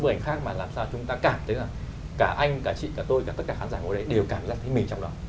những bức ảnh khác mà làm sao chúng ta cảm thấy là cả anh cả chị cả tôi cả tất cả khán giả ở đây đều cảm giác thấy mình trong đó